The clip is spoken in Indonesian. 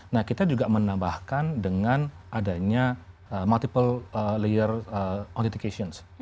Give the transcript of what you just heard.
nah kita juga menambahkan dengan adanya multiple layer authentications